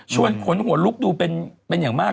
ขนหัวลุกดูเป็นอย่างมาก